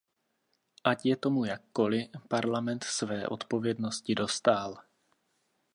Ale ať je tomu jakkoli, Parlament své odpovědnosti dostál.